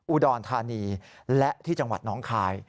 อุดรธานีและที่จังหวัดน้องคาย